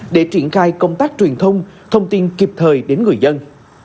để triển khai công tác truyền thông thông tin kịp thời đến người dân